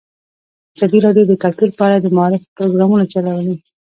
ازادي راډیو د کلتور په اړه د معارفې پروګرامونه چلولي.